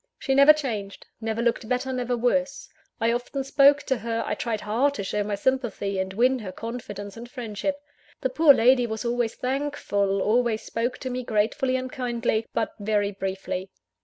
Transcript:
She never changed: never looked better, never worse. I often spoke to her: I tried hard to show my sympathy, and win her confidence and friendship. The poor lady was always thankful, always spoke to me gratefully and kindly, but very briefly.